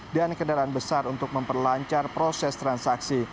dan kendaraan besar untuk memperlancar proses transaksi